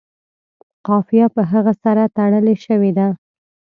قافیه په هغه سره تړلې شوې ده.